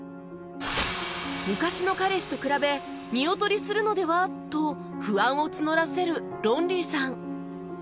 昔の彼氏と比べ見劣りするのでは？と不安を募らせるロンリーさん